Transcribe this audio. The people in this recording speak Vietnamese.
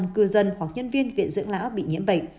bốn mươi tám cư dân hoặc nhân viên viện dưỡng lão bị nhiễm bệnh